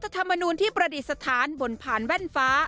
รัฐธรรมนุนที่ประเทศฐานบนพาร์นแว่นฟ้า